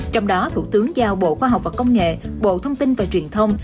trong đó thủ tướng giao bộ khoa học và công nghệ bộ thông tin và truyền thông